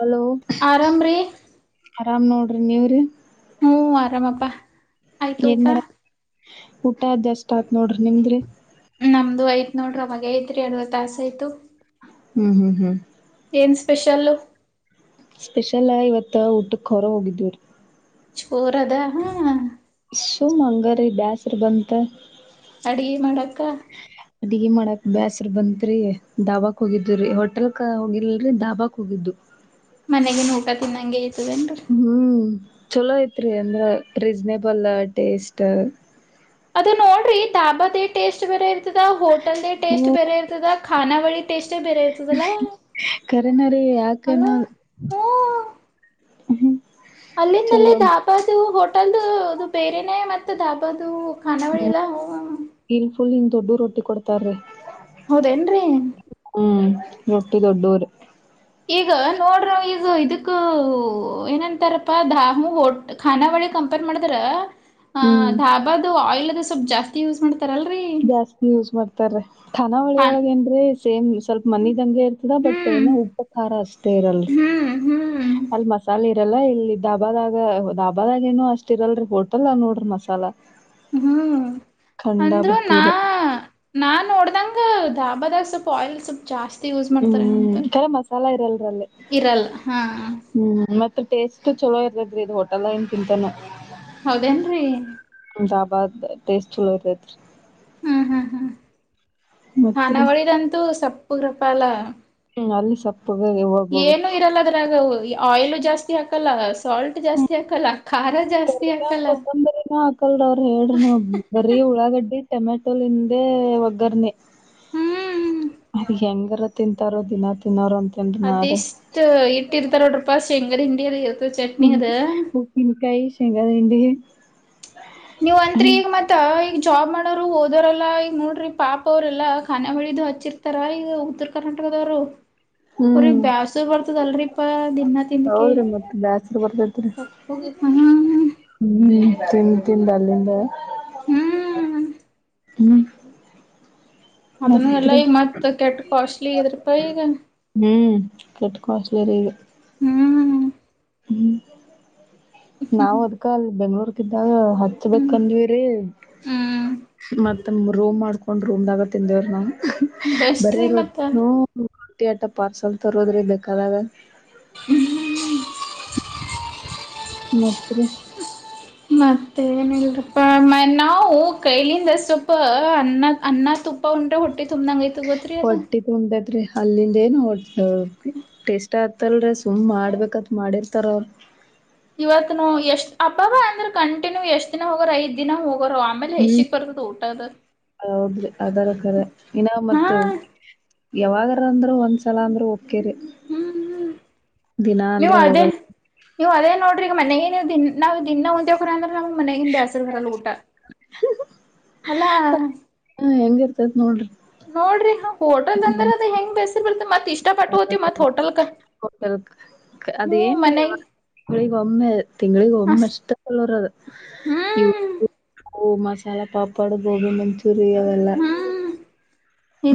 Hello ಆರಾಮ ರೀ ಆರಾಮ್ ನೋಡ ರಿ ನೀವು ರೀ ಹ್ಮ್ ಆರಾಮಪ್ಪಾ ಆಯ್ತು ಏನ್ ಬಾ ಮಾಡ ಊಟ ಜಸ್ಟ್ ಆಯ್ತು ನಮ್ದು ಆಯ್ತು ನೋಡ್ರ ಅವಾಗ ಆಯ್ತು ರಿ ಎಡ್ವತ್ತು ತಾಸಆಯ್ತು ಹ್ಮ್ ಹ್ಮ್ ಹ್ಮ್ ಸ್ಪೆಷಲ್ ಸ್ಪೆಷಲ್ ಇವತ್ತು ಊಟಕ್ಕ ಹೊರಗ ಹೋಗಿದ್ದಿವಿ ರಿ ಜೋರಾದ ಹಾ ಸುಮ್ ಅಂಗಾ ರಿ ಬ್ಯಾಸರ ಬಂತ ಅಡುಗೆ ಮಾಡಕ್ಕ ಅಡುಗೆ ಮಾಡಕ ಬ್ಯಾಸರ ಬಂತ ರಿ ಡಾಬಾಕ್ ಹೋಗಿದ್ದೀವಿ ರಿ ಹೋಟೆಲ ಕ ಹೋಗಿರಲಿಲ್ಲ ರಿ ಡಾಬಾಕ್ ಹೋಗಿದ್ದಿವಿ ಮನೆಗಿನ್ ಊಟ ತಿನ್ನಂಗಿಲ್ಲ ಏನ ರಿ ಹ್ಮ್ ಚಲೋ ಇತ್ತ ರೀ ಅಂದ್ರೆ ರೀಸ್್ನೇಬಲ್ ಟೇಸ್ಟ ಅದ ನೋಡ್ರಿ ಡಾಬಾದ್ ಟೇಸ್ಟ್ ಬೇರೆ ಇರತ್ತ ಹೋಟೆಲ್ ಟೇಸ್ಟ್ ಬೇರೆ ಇರುತ್ತೆ ಖಾನಾವಳಿ ಟೇಸ್ಟ್ ಕರೆನ್ ರಿ ಅಲ್ಲ ಯಾಕನೋ ಅಲ್ಲಿಂದಲ್ಲಿ ಧಾಭದ ಹೋಟೆಲ್ದು ಹೋಟೆಲ್ ದು ಅದು ಬೇರೆನೆೇ ಮತ್ತೆ ಡಾಬದು ಹ್ಮ್ ಇಲ್ಲಿ ಫುಲ್ ಇನ್ ದೊಡ್ಡದ ರೋಟಿ ಕೊಡ್ತಾರ್ರೀ ಹೌದೇಏನ್ರರಿ ಹ್ಮ್ ಮುಟ್ಟು ದೊಡ್ಡೂದು ಈಗ ನೋಡ್ರ ಈಗ ಇದಕ್ಕ ಏನಂತಾರಪ್ಪ ದಾಮು ಹಟ್ ಖಾನಾವಳಿ ಕಂಪೇರ್ ಮಾಡಿದ್ರ ಹ ಹ್ಮ್ ಧಾಬದು ಆಯಲ್ ಸ್ವಲ್ ಜಾಸ್ತಿ ಯೂಸ್ ಮಾಡ ಜಾಸ್ತಿ ಯೂಸ್ ಮಾಡ್ತಾರ ಹಾ ಖಾನಾವಳಿಯೊಳಗೇನ್್ರೆ ಸೇಮ್ ಸ್ವಲ್ಪ ಮನದಂಗೆ ಇರ್ತದ ಬಟ್ ಏ ಹ್ಮ್ ಉಬ್ಬ ಖಾರ ಅಷ್ಟ ತೇರಲ್ ಹ್ಮ್ ಹ್ಮ್ ಅಲ್ಲಿ ಮಸಾಲೆ ಇದೆಲ್ಲಾ ಇಲ್ಲಿ ದಧಾಬಾದಾಗ ದಾಬಾದಾಗಏನು ಅಷ್ಟ ಇರಲ್ರಿ ಹೊಟಲ್ಲ ನೋಡ್ರಿ ಮಸಾಲ ಹ್ಮ್ ಅಂದ್ರು ನಾ ಖಂಡಾಬಿಟ್ಟಿರಿ ನಾ ನೋಡ್ದಂಗ ಧಾಬದ ಸ್ವಲ್ಪ ಆಯಲ್ ಸ್ಪ್ ಜಾಸ್ತಿ ಯೂಸ್ ಮಾಡ್ತಾರೆನಂತ ಹ್ಮ್ ಕರೆ ಮಸಾಲ ಇರಲ್ರಲ್ಲಿ ಇರಲ್ಲ ಹಾ ಹ್ಮ್ ಮತ್ ಟೇಸ್ಟ್ ಚಲೋ ಇರದ್ರರಿ ಇದ್ ಹೋಟೆಲ್ಏನ್ ತಿಿಂತಾನ ಹೌದೇನ್ರರಿ ಜಬಾದ ಬೇಸ್ ಚಲತತ್ರಿ ಹ್ಮ್ ಹ್ಮ್ ಹ್ಮ್ ಮತ್ರಿ ಖಾನಾವಳಿ ದಂತು ಸಪ್ ಉದ್ರುಪಾಲ ಮಾವಿನ ಸ್ವಲ್ಪ್ ಏನುೂ ಇರಲ್ಲ ಅದ್ರಾಗ ಆಯಿಲ್ ಜಾಸ್ತಿ ಹಾಕ್ ಹಾಕಲ್ಲ ಸಾಲ್ಟ್ ಜಾಸ್ತಿ ಹಾಕಲ್ಲ ಖಾರ ಜಾಸ್ತಿ ಕರಿಬೇವು ಹಾಕಲ್ಲ ಕೊತ್ತಂಬಂಬರಿನ ಹಾಕಲ್ರ ಅವ್ರ ಹೇಳ್ರಿ ನೀ ಬರೀ ಉಳ್ಳಾಗಡ್ಡಿ ಟೊಮೆ ಮ ಹಿಂದೆ ಒಗ್ಗರ್ನಿ ಹ್ಮ್ ಹೆಂಗಾರ ತಿಂತಾರೋ ದಿನ ತಿನ್ನೋಾರ ಅಂ ಅದಿಷ್ಟ ಇಟ್ಟಿರ್ತಾರ ನೋಡ್ರ ಪಾ ಶೇಂಗಾದ ಹಿಂಡ್ಡಿ ಇದ್ ಇದ್ ಹ್ಮ ಉಪ್ಪಿಕಾಯಿ ಶೇಂಗಾ ಅದೇಿ ಹಿಂಡಿ ನೀವ್ ಅಂತ್ರಿ ಈಗ ಮತ್ತ ಈಗ ಜಾಬ್ ಮಾಡೋರು ಓದೋರೆಲ್ಲಾ ಈಗ ನೋಡ್ರಿ ಪಾಪ ಅವ್ರಲ್ಲಾ ಖಾನ ಬಳಿದು ಹಚ್ಚಿರ್ತಾರ ಈಗ ಉತ್ತರ ಕರ್ನಾಟಕದವರು ಅವ್ರ ಹ್ಮ್ ಬ್ಯಾಸ ಬರ್ತದಲ್ರಿಪಾ ದಿನಾ ತಿಂದಕ ಹೌದ್ರಿ ಮತ್ ಬ್ಯಾಸರ ಸಪ್ಪಗ್ ಹ ಹ್ಮ್್ಮ್ ತಿನ್ ತಿಿಂದ ಅಲ್ಲಿಂದ ಹ್ಮ್ ಹುಮ್ಮ್ ಅದನ್ನು ಎಲ್ಲ ಈ ಮತ್ ಕೆಟ್ ಕಾಸ್ಟ್ಲಿ ಇದ್ರಾಪ ಈಗ ಹ್ಮ್ ಕೆಟ್ಟ ಕಸ್ಟ್ಲಿ ರೀದು ಹ್ಮ್ ನಾವ್ ಹ್ಮ್ ಅದ್ಕಲ್ ಬೆಂಗ್ಳೂರ್ಗ್ದಾಗ ಹ್ಮ್ ಹತ್ಬೇಕಕ್ಂದ್ವಿ ರೀ ಹ್ಮ್ ಮತ್ತ ರೋಮ್ ಮಾಡ್ಕೊ ಒಂದು ರೂಮ್ದಾಗ ತಿಂದವ್ರ ನಾವು ಬೆಸ್ಟ್ ಬರೆ ರೀ ರೋಡ್ ಮತ್ತ ಅಟ್ಟಿ ಆಟ ಪಾರ್ಸಲ್ ತರೋದ್ರೆ ಬೇಕಾದಾಗ [inaudible] ಮತ್ರಿ ಮತ್ತೆ ಏನಲ್ರಪ್ಪಾ ಮ ನಾವು ಕೈಲಿಂದ ಸ್ವಲ್ಪ ಅನ್ನ ಅನ್ನ ತುಪ್ಪ ಉಂಟ್ರೆ ಹೊಟ್ಟ ಹೊಟ್ಟಿ ತುಂಬಿತ್ರಿ ಅಲ್ಲಿಂದೆ ಟೇಸ್ಟಾ [unintelligible] ತುಂಬ್ ಮಾಡ್ಬೇಕತ್ ಮಾಡಿರ್ ತರ ಇವತ್ನು ಎಷ್ಟ್ ಅಬ್ಬಬ್ಬ ಅಂದ್ರೆ ಕಣ್- ನೀವು ಎಷ್ಟ ದಿನ ಹೋಗರು ಐದು ದಿನ ಹೋಗ್ ಹ್ಮ್ ಹೌದ್ರಿ ಅದರ ಕರೆ ಇನ್ನ ಹಾ ಮತ್ ಯಾವಾಗ್ರ ಅಂದ್ರ ಒಂದ್ಸಲ ಅಂದ್ರೆ ಓಕೆ ರಿ ಹ್ಮ್ ಹ್ಮ್. ದಿನಾ ನೀವು ಅಂದ್ರು ಅದೇ ಹೋಗಲ್ಲ ನೀವು ಅದೇ ನೋಡ್ರಿ ಈ ಮನೇ ದಿನ್ನ ದಿನ್ನಾ [unintelligible] ನಮ್ ಮನಗಿಂದ ಬೇಸರ್ ಬರಲ್ಲ ಊಟ [inaudible] ಅಲ್ಲಾ ಹಾ ಹೆಂಗ್ ಇರ್ತದ್ ನೋಡ್ರಿ ನೋಡ್ರಿ ಹ ಹೋಟೆಲ್ ಅಂದ್ರೆ ಅದ ಹೆಂಗ್ ಬ [unintelligible] ಮತ್ ಇಷ್ಟ [inaudible] ಇ ಪಟ್ಟ ಹೋತಿವಿ ಮತ್ ಹೋಟೆಲ್ಕ ಹ್ಮ್ ಮನೆಗ್ ಅಸ್ [unintelligible] ಹ್ಮ್ ಓ ಮಸಾಲಾ ಪಾಪಡ್ ಗೋಬಿ ಮಂಚ್ ಹ್ಮ್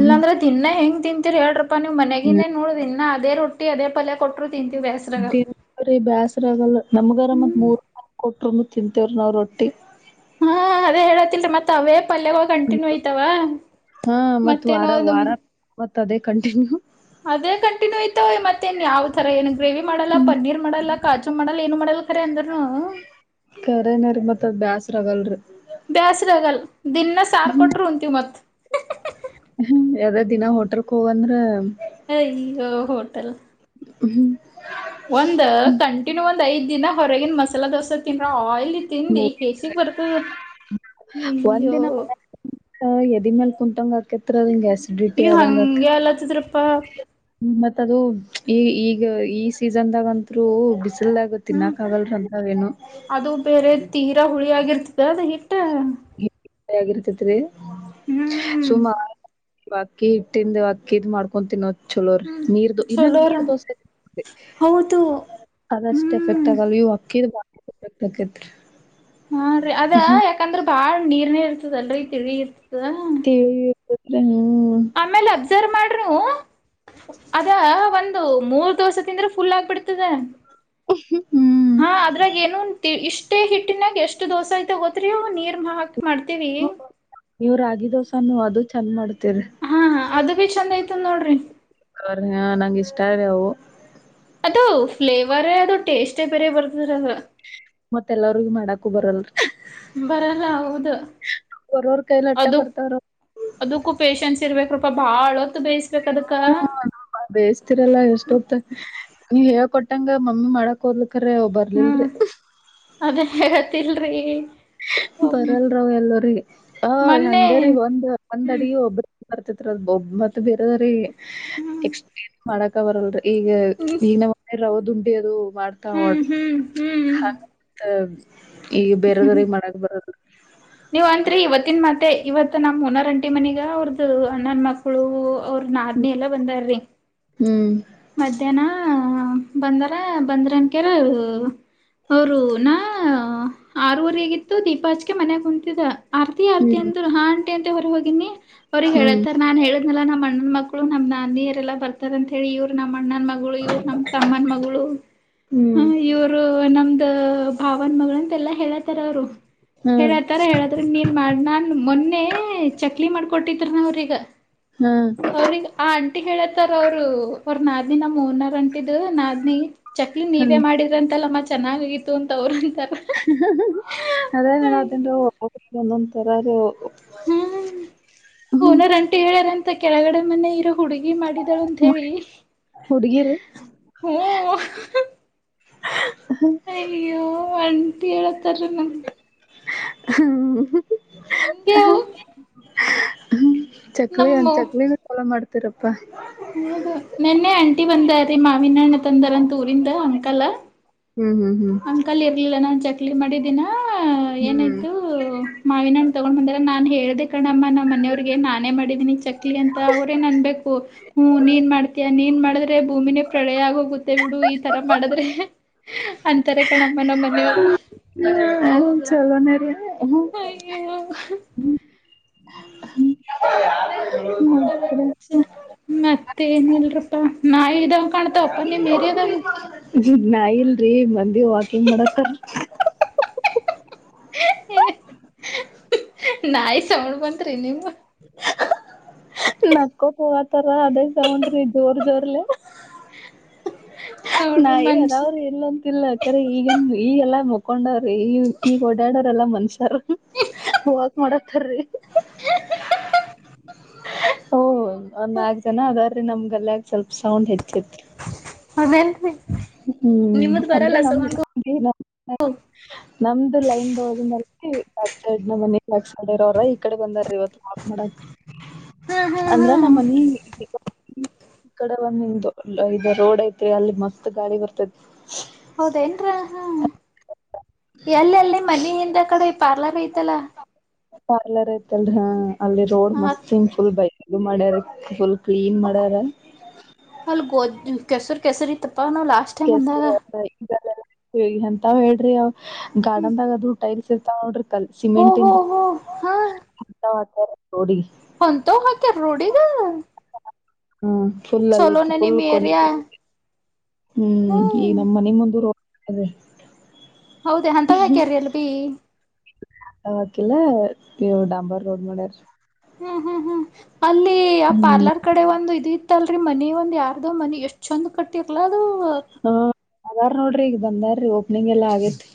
ಹ್ಮ್ ತಿನ್ನ ಹೆಂಗ ತಿನ್ [unintelligible] ನೀವ್ ಮನೆಗಿಂದ ನೋಡ್ರ ಇನ್ನ ಅದೇ ರೊಟ್ಟಿ ಅದೇ ಪಲ್ಯ ಕೊಟ್ರು ದಿ [unintelligible] ಬ್ಯಾಸ್ರ ಆಗಲ್ ನ ಮ್ಗಾರ ಮತ್ ಹ್ಮ್ ಬೋರ್ ಕೊಟರುನು ತಿಂತೇವ್ರ ನಾವು ರೊಟ್ಟಿ ಹಾ ಅದೇ ಹೇಳತಿಲ್ರಿ ಮತ್ತತ್ ಅವೇ ಪಲ್ಯಗಳ ಕಂಟಿನ್ಯೂ ಐತವ ಮತ್ತೇನೋ ಒ ತದೇ ಕಂಟಿನ್ಯೂ. ಅದೇ ಕಂಟಿನ್ಯೂ ಆಯ್ತವ ಮತ್ತೇನ್ ಯಾವ್ ತರ ಏನು ಗ್ರೇವಿ ಮಾಡಲ್ಲ ಪನ್ನೀರ್ ಮಾಡಲ್ಲ ಕಾಜು ಮಾಡಲ್ಲ ಏನು ಮಾಡಲ್. ಕರೆ ಅಂದ್ರನು. ಕರೆನಾರೀ ಮತ್ ಅದ್ ಬ್ಯಾಸರ್ ಆಗಲ್ಲ ರೀ. ಬ್ಯಾಸರ ಆಗಲ್ ದಿನ ಸಾರ್ ಕೊಟ್ರು ಉಂಂತೀವಿ ಮತ್. ಅದೇ ದಿನಾ ಹೋಟೆಲ್ ಕೋ ಅಂದ್ರೆ. ಅಯ್ಯೋ ಹೋಟೆಲ್ ಹ್ಮ್ ಒಂದ್ ಕಂಟಿನ್ಯೂ ಒಂದ ಐದ್ ದಿನ ಹೊರಗಿನ ಮಸಾಲಾ ದೋಸೆ ತಿನ್ರ ಆಯಿಲ್ ಹ್ಮ ಅಯ್ಯೋ ಒಂದಿನ [inaudible] ಎದಿ ಮೇಲೆ ಕುಂತಂಗ್ ಆಕೈತ್ರಿ ಇ ಹಂಗೆಲ್ಲತ್ತಿದ್ರಪ್ಪ ಮತ್ ಅದು ಈ ಈಗ ಈ ಸೀಸನ್ದಾಗಂತರು ಬಿಸಿ ಎಲ್ಲ ಗೊತ್ತಿನ ಹ್ಮ್ ಕಾವಲ್ಂದ ೇನು ಅದು ಬೇರೆ ತೀರಾ ಹುಳಿ ಆಗಿರ್ತಿದ ಅದ್. ಹ ಆಾಗಿರ್ತತ್ರಿ. ಹ್ಮ್ ಸುಮ ಬಾಕಿ ಹಿಟ್ಟಿಂದು ಅಕ್ಕಿದ್ ಮಾಡ್ಕೊಂಡ್ ತಿನ್ನೋ. ಚಲೋೀ ಹ್ಮ್ ನೀರ್ ದ ಇನ್ನ ಚಲೋರ ನೀರ್ ದೋಸೆ ಹೌದು ಅದಷ್ಟ ಎಫೆಕ್ಟ್ ಹ್ಮ್ ಆಗಲ್ ಇವು ಅಕ್ಕಿದ್ ತ ಕತ್ರ ಹಾ ರೀ ಅದ ಯಾಕಂದ್ರೆ ಬಾಳ್. ನೀರ್ನೇ ಇರ್ತದ ಅಲ್ರೂ ತಿಳಿ ಇರ್ತದ ತಿಳಿ ಇರ್ತೇತ್ರಿ ಹ್ಮ್ ಆಮೇಲೆ ಅಬ್ಸರ್ವ್ ಮಾಡ್ರೂ ಅದ ಒಂದು ಮೂರ್ ದಿವಸ ತಿಂದ್ರೆ ಫುಲ್ ಆಗ್ಬಿಡ್ತದೆ ಹ್ಮ್ ಹಾ ಅದ್ರಾಗ ಏನು ಇಷ್ಟೇ ಹಿಟ್ಟಿನಾಗ ಎಷ್ಟು ದೋಸ ಆಐತೆ ಗೋತ್ರಿ ಅವು ನೀರು ಹಾಕಕ್ ಇವ್ರಾಗಿದಸಾನು ಅದು. ಚಂದ ಮಾಡ ಹಾ ಅದು ಭ ಚಂದ ಐ ನೋಡ್ರಿ ಅವ್ರ ಹ ನಂಂಗ ಇಷ್ಟ ರೀ ಅವು. ಅದು ಫ್ಲೇವರ ಟಿಷ್ಟೇ ಬೇರ ಬರ್ತಿದ್ರಂದ್ರ ಮತ್ತೆಲ್ಲರಿಗೂ ಮಾಡಕು ಬರಲ್ ರೀ. ಬರಲ್ಲ ಹೌದು ಬರೋರ್ ಕೈಲ್ ಅಟ್ಟ ಅದು. ಬರ್ತಾವ್ರ ಅದಕ್ಕೂ ಪೇಶನ್ಸ್ ಇರ್ಬೇಕ್ರೂಪಾ ಬಾಳ ಹೊತ್ತು ಬೇಯಿಸ್ಬೇಕ ಅದಕ್ಕ ಬೇಯಿಸ್ತಿರಲ್ಲ ಎಷ್ಟೊತ್ತ. ನೀವ್ ಹೇಳ ಕೊಟ್ಟಂಗ ಮಮ್ಮಿ ಮಾಡಕ್ ಹೋದ್ಲು. ಕರೆ ಔ ಹ್ಮ್ ಬರ್ಲಲ್ರಿ. ಅದೇ ಹೇಳತಿಲ್ರಿ ಬರಲ್ರಾವ್ ಎಲ್ಲರಿ ಆ ಮೊನ್ನೆ ಹಂಗರಿೀ ಒಂದ್ ಒಂದ್ ಹ್ಮ್ ಅಡಿ ಒಬ್ರ ಬರ್ತತ್ತ್ರ ಬೊಬ್ಬ ಮತ್ತ ಬೇರೆದ್ರೀ. ಹ್ಮ್ ಎ ಸಕ [unintelligible] ಮಾಡಕ ಬರಲ್ ರೀ. ಈಗ ಹ್ಮ್ ಈನ ಮನ ರವ ದುಂಡಿ ಅದು ಮಾಡ್ತಾ ಹ್ಮ್ ನೋಡ್ರಿ ಹ್ಮ್ ಅಂಗ್ ತ್. ಈಗ ಹ್ಮ್ ಬೇರೆದವ್ರಗ್ ಮಾಡಕ ಬರ ನೀವ್ ಅತ್ರಿ ಇವತ್ತಿನ ಮತ್ತೆ ಇವತ್. ತ್ ನಮ್ಮ್ ಓನರ್ ಆಂಟಿ ನನಿಗ ಅವ್ರದ್ದ ಅಣ್ಣನ್ ಮಕ್ಕಳು. ಅವ್ರ ನಾದಿನಿ ಎಲ್ಲ ಬಂದಾರ್ರಿ ಹ್ಮ್ ಮಧ್ಯಾಹ್ನ. ಬಂದಾರ ಬಂದ್ರ ಅನ್ಕಾರ ಅವರು ನ ಆರು ವರೆ ಆಗಿತ್ತು ದೀಪ ಹಾಚ್ಕೆ ಮನೆಾಗ ಕುಂತಿದೆ ಆರ್ತಿ ಆರ್ತಿ ಹ್ಮ್ ಅಂದ್ರರು ಹಾ. ಟೆಂತೆ ಹೊರಗೋಗಿನಿ. ಅವ್ರಿಗ್ ಹ್ಮ್ ಹೇಳತ್ತಾರೆ ನಾನ್ ಹೇಳಿದ್ನಲ್ಲ ನಮ್ಮ ಅಣ್ಣನ ಮಕ್. ನಮ ನದಿನಿಯರೆಲ್ಲ ಬರ್ತಾರ ಅಂತ ಹೇಳಿ ಇವರು ನಮ್ಮ. ಅಣ್ಣನ ಮಗಳು ಇವ್ರು ನಮ್ ತಮ್ಮನ ಮಗಳು ಹ್ಮ್ ಇವ್ರು ನಮ್ದ ಭಾವನ್ ಮಗಳು ಅಂತೆಲ್ಲ ಹೇಳತಾರ ಅವ್ರು ಹ್ಮ ತಾರೆ ಹೇಳದ್ರೆ ನೀನ್ ಮಾಡ್ ನನ್ ಮೊನ್ನೆ ಚಕ್ಲಿ ಮಾಡ್. ಕೊಟ್ಟಿ ತಿರ್ವರ ಈಗ. ಹ್ಮ್ ಅವ್ರಿಗೆ ಆ ಆಂಟಿ ಹೇಳತ್ತ ತರವ್ರು ಅವ್ರ ನಾದನಿ ನಮ್ಮ ಓನರ್ ಅಂಟಿದ್ ನಾದನಿ. ಚಕ್ಲಿ ಹ್ಮ್ ನೀವೇ ಮಾಡಿದ್ರಂತೆಲ್ಲ ಮತ್. ಚೆನ್ನಾಗಿಾಗಿತ್ತು ಅಂತ ಅವರು ಅದೇ ಅದಂದು ಅವ ಒಂದೊಂದ್ ತರ.. [inaudible] ಹ್ಮ್ ಓನಾರಂಟ ಹೇಳ್ಯಾರಂತೆ.. [inaudible] ಕೆಳಗಡೆ [inaudible] ಮನ್ನ ಇರೋ ಹುಡುಗಿ ಮಾಡಿದಾಳು ಅಂತ ಹೇಳಿ ಹುಡ್ಗಿರಿ ಹ್ಮ.. [inaudible] ಅಯ್ಯೋ... [inaudible] ಹೇಳತಾರ ನನ್.. [inaudible] ಹ್ಮ್... [inaudible] ಹಂಗಗೆವು.. [inaudible] ಹ್ಮ್.. [inaudible] ಚಕ್ಲಿ ಒಂದ ಚಕ್ಲಿನ ಸಲ ಮಾಡ್. [inaudible] ತ್ತರಪ್ಪ.. [inaudible] ಹೌದು ನೆನ್ನೆ ಆಂಟಿ ಬಂದೀ ಮಾವಿನಣ್ಣ ತಂದಾರಂತ ಊರಿಂದ ಅಂಕಲ.. [unintelligible] ಹ್ಮ್ ಹ್ಮ್ ಹ್ಮ್ ಅಂಕಲ್ ಇರ್ಲಿಲ್ಲ ನಾನ್ ಚ.. [inaudible] ಮಾಡಿದ್ದೀಿನ.. [inaudible] ಏನಾಯತು ಮಾವಿನ.. [inaudible] ತಗೊಂಡ್ ಬಂದ್ರ ನಾನ್ ಹೇಳ್ದ ಕಣಮ್ಮ ನಾ ಮನೆಯವ್ರಿಗೆ ನಾನೇ ಮಾಡಿದೀನಿ ಚಕ್ಲಿ ಅಂತ ಅವರೇ ನನ್ಬೇಕು ಹ್ಮ್ ನೀನ್ ಮಾಡ್ತಯ ನೀನ್ ಮಾಡಿದ್ರೆ ಭೂಮಿನೇ ಪ್ರಳಯ ಆಗೋಗುತ್ತೆ ಬಿಡು ಈತರ ಮಾಡಿದ್ರೆ... [unintelligible] ಅಂತಾರೆ ಕಣಮ್ಮನ ಮನೆಯವರು.. [inaudible] ಹ್ಞ ಚಲೋನ ರೀ. ಹ.. ಅಯ್ಯೋ [inaudible] ಮತ್ತೆ ಏನಲ್ರಪ್ಪ ನ.. [inaudible] ಮದ ಕಣ ತಪ್ಪ ನೀ ಮೇರೆದ.. [inaudible] ್ ನಾ ಇಲ್ರಿ ಮತ್.. [inaudible] ವಾಕಿಂಗ್ ಮಾಡತ.. [inaudible] ನಿ್. [inaudible] ನಕ್ಕೋ ಹೋಗತಾರ ಅದೇ ತಗೊಂಡ್ರಿ ಜೋರ್ ಜೋರ್ಲಿ. [inaudible] ನೋಡ್ರಿ ನಾೇ ಮನ್ಷಿ ಅದಾವ್ರರು ಇಲ್ಲಂತಿಲ್ಲಖರೆ ಈಗಂದು ಈಗೆಲ್ಲ ಮ.. [inaudible] ಹಕೊಂಡವ್ರಿ ಈ ಈಗ ಓಡಾಡ್ರಲ್ಲಾ ಮನುಷ್ಯರ್. ವಾಕ್ ಮಾಡತಾರೀ ಓ ಒ ನಾಲ್ಕ ಜನ ಅದಾರ.. [inaudible] ನಮ್ ಗಲ್ಲಾಗ ಸ್ವಲ್ಪ ಸೌಂಡ್ ಹೆಚ್ಚಿತ್ತು. [inaudible] [inaudible] ಹ್ಮ್ ನಿಮ್ದ್ ಅಂದ್ರೆ ಬರಲ್ಲ ನಮ ಸೌಂಡು ನಮ್.. [inaudible] ನಮ್ದು ಲೈನ್ ದೊಳ ಮ ಬ್ಯಾಕ್ ಸೈಡ್ ನಮ್ಮ್ ಮನ ಬ್ಯಾಕ್ ಸೈಡ್ ಇರೋರ ಈ ಕಡೆ ಬಂದಾರ ಇವತ್ತು ವಾಕ್ ಮಾಡಕ್ ಹಾ ಹಾ ಹಾ ಅಂದ್ರ ನಮ್ಮ್ ಮನ ಈ ಕಡೆ ಒಂದ ಇ ರೋಡ್ ಐತಿ... [unintelligible] ಅಲ್ಲಿ ಮಸ್ತ್ ಗಾಳ ಬರ್ತತ್. ಹೌದೇನ್ರ ಹ ಎಲ್ಲಲ್ಲಿ ಮನ ಹಿಂದ ಕಡೆ ಪಾರ್ಲರ್ ಐತಲ್ಲ... [unintelligible] ಪಾರ್ಲರ್ ಐತಲ್ರರಿ ಹಾ. ಅಲ್ಲಿ ರೋಡ್ ಹ ಮಸ್ತ್ನ್ ಫುಲ್ ಬೈ. ಇದು ಮಾಡ್ಯಾರೆ ಫುಲ್. ಕ್ಲೀನ್ ಮಾಡಾರೆ. ಕೆಸರ್ ಕೆಸರ್ ಇತ್ತ. ಕೆಸರ್. ತಾವ್ ಹೇಳ್ರಿ ಅವ್ ಗಾದಂಬದಗ್ ಅದು ಟೈಪ್ಸ್ ಇರ್ತಾವ್ ನೋಡ್ರಿ. ಕಾಲ್ ಹೋ ಹೋ ಸಿಮೆಂಟಿಂದ್ ಹೋ ಹಾ ತ್. ಹೋಡಿ [inaudible] ಹ್ಮ್ ಫುಲ್ಲ್ಲಿ ಇತ್ತು ಚಲೋನೆ ನಿಮ್ ಫುಲ್ಕೊಂಡಿ ಏರಿಯಾ ಹ್ಮ್ ಈ ನಮ್ಮ ನಿಮ್ಮೊಂದು ರ ಅದೇ ಹೌದ ಅಂತ ವಕ್ಯಾರಿ ಅಲ್ ಬೀ ಹೊಕಿಲ್ಲ ನೀವು ಡಾಂಬಾರ್ ರೋಡ್ ಮಾಡ್ಯ್ರ. ಹ್ಮ್ ಹ್ಮ್ ಹ್ಮ್ ಅಲ್ಲಿ ಆ ಹ್ಮ್ ಪಾರ್ಲರ್ ಕಡೆ ಒಂದು ಇತ್ತು ಅಲ್ರರಿ ಮನ ಒಂದ್ ಯಾರ್ದೋ ಮನಿ ಎಷ್ಟೊಂದ ಕಟ್ಟಿರ್ಲ ಅದು ಹಾ ಅದಾರ್ ನೋಡ್ರಿ ಈಗ ಬಂದಾರೀ ಓಪನಿಂಗ್ ಎಲ್ಲ ಆಗೈತಿ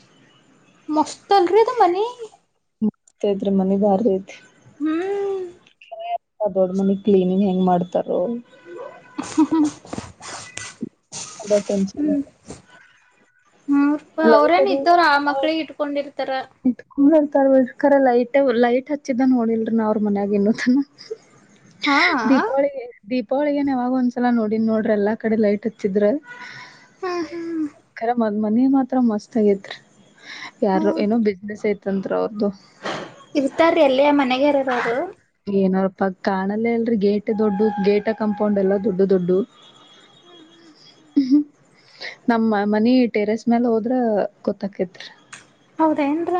ಮಸ್ತ್ ಅಲ್ರಿ ಅದು ಮನಿ. ಮ ಇದ್ರೆ ಮನಗಾರ ರೈತ್ ಹ್ಮ್ ದೊಡ್ ಮನಿ ಕ್ಲೀನಿಂಗ್ ಹೆಂಗ್ ಮಾಡ್ತಾರೋ. [inaudible] ಅದ ಹ್ಮ್ ಮೂೂಪ ಅವ್ರೇನ್ ಅದು ಇದ್ದವರು ಆ ಮಕ್ಳಿಗೆ ಇಟ್ಕೊಂಡಿ. ತರ ಹತಾರೋಸ್ಕರ ಲೈಟ್ ಲೈಟ್ ಹಚ್ಚಿದ ನೋಡಿಲ್ರಿ ನಾ ಅವ್ರ ಮನ್ಯಾಗ ಇನ್ನು ತನ. ಹಾ ಹಾ ದೀಪಾವಳಿ ೋಳಿಗನ್ ಯಾವಾಗ ಒಂದ್ಸಲ ನೋಡನ್ ನೋಡ್ರ ಎಲ್ಲಾ ಕಡೆ ಲೈಟ್ ಹಚ್ಚಿದ್ರ. ಹಾ ಕರೆ ಮ್. ಮನೆ ಮಾತ್ರ ಮಸ್ತ್ ಆಗತ್ರಿ ಯಾರು ಹೌದು ಏೋ ಬಿಸೆಸ್ ಐ. ಸ್ವತಂತ್ರ ಅವ್ರದು ಇರ್ತಾರೀ ಎಲ್ಲಿಯ ಮನೆಗಾರರ ಅವರು ಏನಾರಪ್ಪ ಕಾಣಲ್ಲೇ ಅಲ್ರರಿ ಗೇಟ್ ದೊಡ್ಡು ಗೇಟ ಕಂಪೌಂಡ್ ಎಲ್ಲ ದೊಡ್ಡು ದೊಡ್ಡು ಹ್ಮ್ ಹ್ಮ್ ಹ್ಮ್. ನಮ್ಮ ಮನೆ ಟೆರೆಸ್ ಮ್ಯಾಲ ಹೋದ್ರ ಗೊತ್ತಕತ್ರಿ ಹೌದೆನ್ರ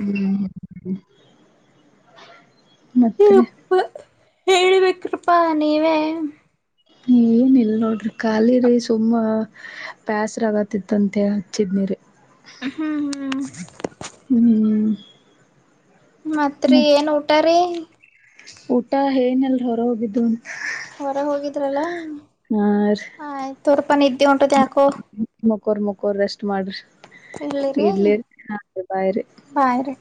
ಹ್ಮ್ ಮತ್ತೆ ರಿ ಹೇಳಬೇಕ್ರಪ್ಪಾ ನೀವೇ ಏನ ಇಲ್ ನೋಡ್ರಿ ಖಾಲಿರಿ ಸುಮ್ಮ ಬ್ಯಾಸ್ರಾಗತಿತ್ತಂತೆ ಹಚ್ಚಿದೆರಿ ಹ್ಮ್ ಹ್ಮ್. ಹ್ಮ್. ಮತ್ರಿ ಮತ್ ಏನ್ ಊಟಾರಿ ಊಟ ಏನಿಲ್ ಹೊರ ಹೋಗಿದ್ದು ಹೊರ ಹೋಗಿದ್ರಲ್ಲ ಹಾ ರೀ ಆ ಆಯ್ತು ತುರ್ಪನ ನಿದ್ದು ಹೊಂಟುದ ಯಾಕೋ ಮಕೋರ್ ಮಕೋರ್ ರೆಷ್ಟ್ ಮಾಡ್ರಿ ಇಡ್ಲಿರಿ ಇಡ್ಲಿ ನಾ ಬಾಯ್ ರೀ ಬಾಯ್ ರೀ.